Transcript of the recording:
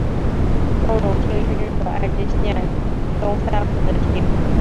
东荣町是日本爱知县东三河的町。